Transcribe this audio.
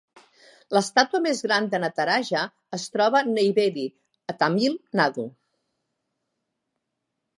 L'estàtua més gran de Nataraja es troba a Neyveli, a Tamil Nadu.